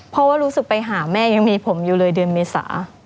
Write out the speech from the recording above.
เพราะว่ารู้สึกไปหาแม่ยังมีผมอยู่เลยเดือนเมษา